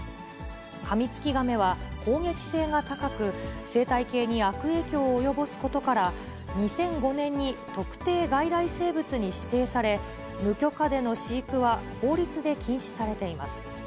カミツキガメは攻撃性が高く、生態系に悪影響を及ぼすことから、２００５年に特定外来生物に指定され、無許可での飼育は法律で禁止されています。